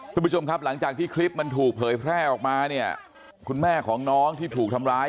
คุณผู้ชมครับหลังจากที่คลิปมันถูกเผยแพร่ออกมาเนี่ยคุณแม่ของน้องที่ถูกทำร้าย